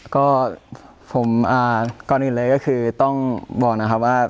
ก็ผมก่อนอื่นเลยก็คือต้องบอกนะครับว่า